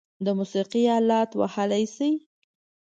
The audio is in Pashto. د موسیقۍ آلات وهلی شئ؟